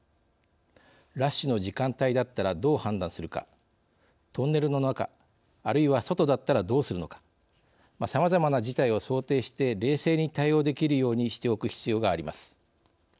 ラッシュの時間帯だったらどう判断するか、トンネルの中あるいは外だったらどうするのか様々な事態を想定して冷静に対応できるようにしておく必要があります。